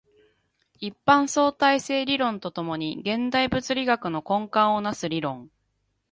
一般相対性理論と共に現代物理学の根幹を成す理論